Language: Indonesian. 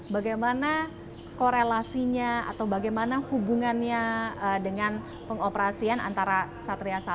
bagaimana korelasinya atau bagaimana hubungannya dengan pengoperasian antara satria satu